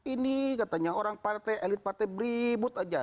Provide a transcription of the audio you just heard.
ini katanya orang partai elit partai beribut aja